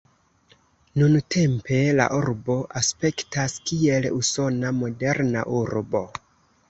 Nuntempe la urbo aspektas, kiel usona moderna urbo.